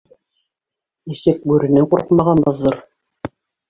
Нисек бүренән ҡурҡмағанбыҙҙыр.